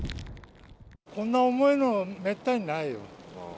こんな重いの、めったにないよ。